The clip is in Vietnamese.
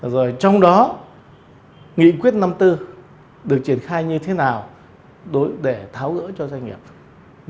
rồi trong đó nghị quyết năm tư được triển khai như thế nào để tháo gỡ cho doanh nghiệp v v